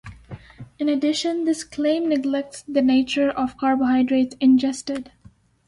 In addition, this claim neglects the nature of the carbohydrates ingested.